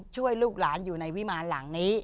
ลูกหลานอยู่ในวิมารหลังนี้